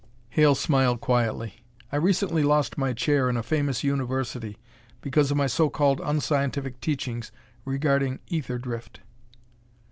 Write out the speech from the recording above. Hale smiled quietly. "I recently lost my chair in a famous university because of my so called unscientific teachings regarding ether drift."